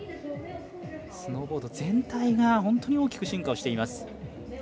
スノーボード全体が本当に大きく進化しています。